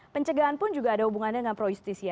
pencegahan pun juga ada hubungannya dengan pro justisia